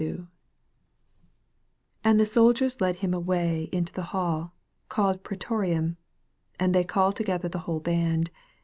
16 And the soldiers led him away into the hall, called Praetorium ; and they call together the whole band.